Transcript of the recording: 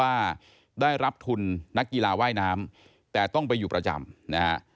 ว่าได้รับทุนนักกีฬาว่ายน้ำแต่ต้องไปอยู่ประจำนะฮะ